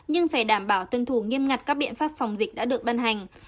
nhưng phải đảm bảo tuân thủ nghiêm ngặt các biện pháp phòng dịch đã được ban hành